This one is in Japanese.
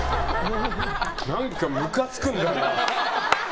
何かむかつくんだよな。